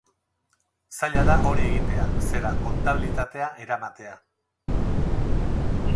Zaila da hori egitea, zera, kontabilitatea eramatea.